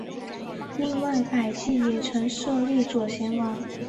另外百济也曾设立左贤王。